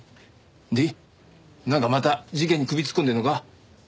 でなんかまた事件に首突っ込んでるのか？